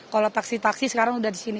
kalau taksi taksi sekarang sudah di sini